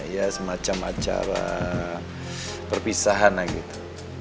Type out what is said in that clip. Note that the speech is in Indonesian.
ya semacam acara perpisahan lah gitu